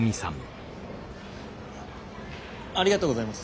ありがとうございます。